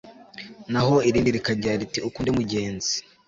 naho irindi rikagira riti ukunde mugenzi